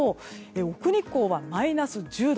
奥日光はマイナス１０度。